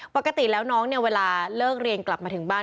ปกติแล้วน้องเนี่ยเวลาเลิกเรียนกลับมาถึงบ้าน